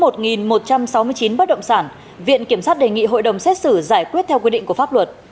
chính bất động sản viện kiểm sát đề nghị hội đồng xét xử giải quyết theo quy định của pháp luật